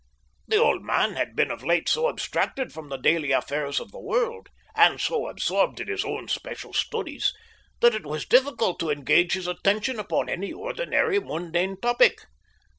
The old man had been of late so abstracted from the daily affairs of the world, and so absorbed in his own special studies, that it was difficult to engage his attention upon any ordinary, mundane topic.